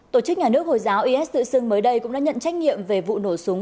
tổ chức nhà nước hồi giáo is tự xưng mới đây cũng đã nhận trách nhiệm về vụ nổ súng